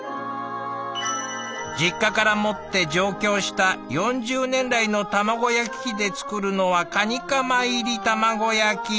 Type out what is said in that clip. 実家から持って上京した４０年来の卵焼き器で作るのはカニカマ入り卵焼き。